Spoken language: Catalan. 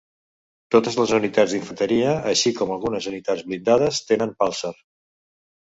Totes les unitats d'infanteria, així com algunes unitats blindades, tenen "palsar".